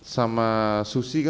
sama susi kan